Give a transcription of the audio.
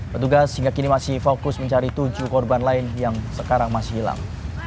petugas hingga kini masih fokus mencari tujuh korban lain yang sekarang masih hilang